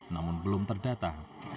namun belum terdata